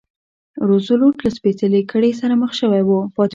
روزولټ له سپېڅلې کړۍ سره مخ شوی و.